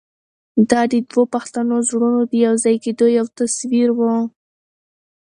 دا د دوو پښتنو زړونو د یو ځای کېدو یو تصویر و.